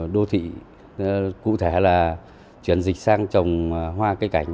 đô thị cụ thể là chuyển dịch sang trồng hoa cây cảnh